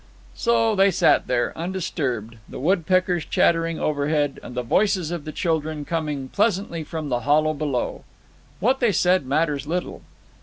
So they sat there, undisturbed the woodpeckers chattering overhead and the voices of the children coming pleasantly from the hollow below. What they said matters little.